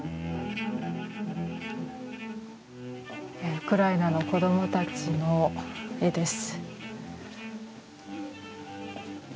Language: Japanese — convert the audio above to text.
ウクライナの子供たちの絵です。